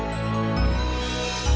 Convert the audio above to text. kebenaran memang sangat menyakitkan